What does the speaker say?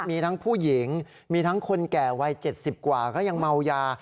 มีทั้งผู้หญิงมีทั้งคนแก่วัย๗๐กว่าก็ยังเมายา